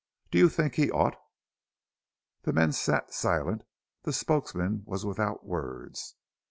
Do you think he ought?" The men sat silent; the spokesman was without words.